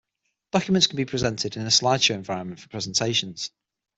Documents can be presented in a slideshow environment for presentations.